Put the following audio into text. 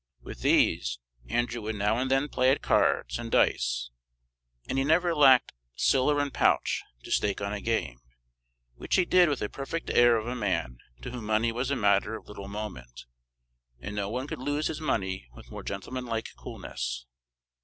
With these Andrew would now and then play at cards and dice, and he never lacked "siller in pouch" to stake on a game, which he did with a perfect air of a man to whom money was a matter of little moment, and no one could lose his money with more gentlemanlike coolness.